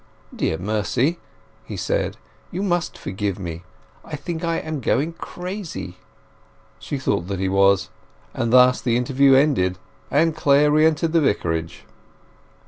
"Dear Mercy," he said, "you must forgive me. I think I am going crazy!" She thought that he was; and thus the interview ended, and Clare re entered the Vicarage.